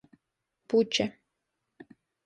Puče.